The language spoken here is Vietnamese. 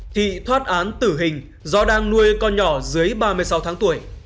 thì thoát án tử hình do đang nuôi con nhỏ dưới ba mươi sáu tháng tuổi